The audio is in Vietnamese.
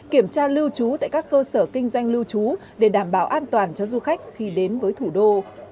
kiểm tra lưu trú tại các cơ sở kinh doanh lưu trú để đảm bảo an toàn cho du khách khi đến với thủ đô